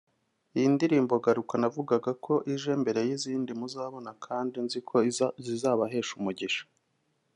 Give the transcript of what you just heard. Iyi ndirimbo Garuka navuga ko ije mbere y'izindi muzabona kandi nzi ko zizabahesha umugisha